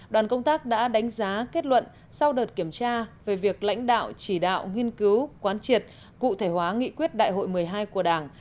đoàn công tác đã đánh giá kết luận sau đợt kiểm tra về việc lãnh đạo chỉ đạo nghiên cứu quán triệt cụ thể hóa nghị quyết đại hội một mươi hai của đảng